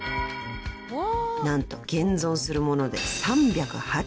［何と現存するもので］